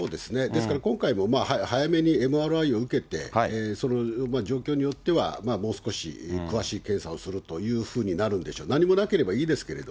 ですから今回も早めにＭＲＩを受けて、その状況によっては、もう少し詳しい検査をするというふうになるんでしょう。